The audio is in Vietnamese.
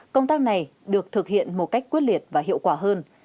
công tác này được thực hiện một cách quyết liệt và hiệu quả hơn